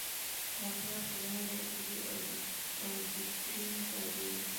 افراد که د هرې عقیدې او دوکتورین تابع وي.